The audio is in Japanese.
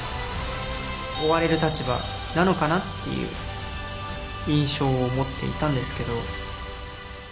追われる立場なのかなっていう印象を持っていたんですけど。